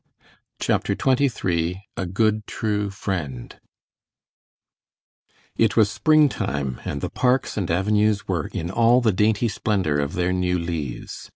CHAPTER XXIII A GOOD TRUE FRIEND It was springtime and the parks and avenues were in all the dainty splendor of their new leaves.